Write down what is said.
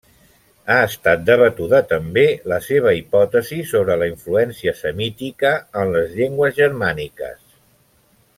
Ha estat debatuda també la seva hipòtesi sobre la influència semítica en les llengües germàniques.